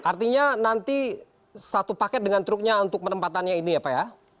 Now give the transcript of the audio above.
artinya nanti satu paket dengan truknya untuk penempatannya ini ya pak ya